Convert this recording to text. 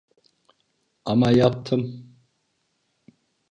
Ama yaptım.